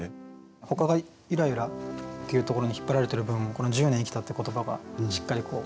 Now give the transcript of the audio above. ほかが「ゆらゆら」っていうところに引っ張られてる分この「十年生きた」って言葉がしっかり立ち上がる。